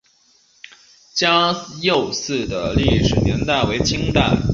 嘉佑寺的历史年代为清代。